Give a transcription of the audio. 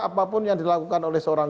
apapun yang dilakukan oleh seorang